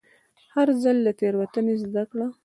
هر ځل له تېروتنې زده کړه.